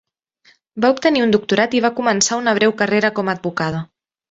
Va obtenir un doctorat i va començar una breu carrera com a advocada.